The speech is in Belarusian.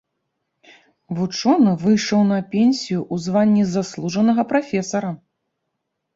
Вучоны выйшаў на пенсію ў званні заслужанага прафесара.